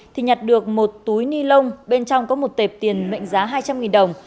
thì nhặt được một túi ni lông bên trong có một tệp tiền mệnh giá hai trăm linh đồng